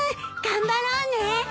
頑張ろうね。